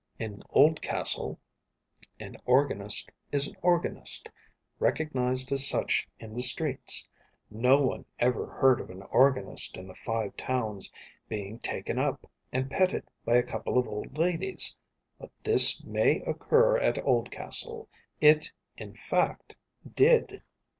In Oldcastle an organist is an organist, recognized as such in the streets. No one ever heard of an organist in the Five Towns being taken up and petted by a couple of old ladies. But this may occur at Oldcastle. It, in fact, did.